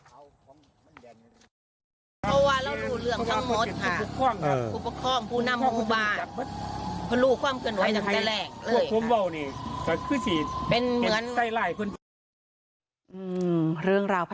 เพราะว่าแล้วรู้เรื่องทั้งหมดค่ะ